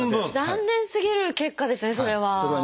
残念すぎる結果ですねそれは。